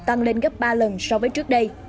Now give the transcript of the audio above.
tăng lên gấp ba lần so với trước đây